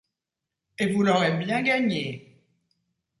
Et vous l’aurez bien gagnée!